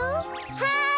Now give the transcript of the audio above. はい！